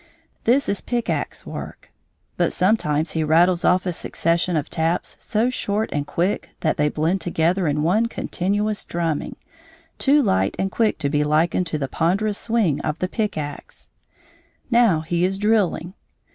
This is pick axe work. But sometimes he rattles off a succession of taps so short and quick that they blend together in one continuous drumming, too light and quick to be likened to the ponderous swing of the pick axe. Now he is drilling.